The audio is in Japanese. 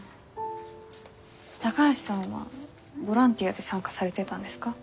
高橋さんはボランティアで参加されてたんですか？